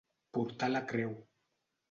Portar la creu.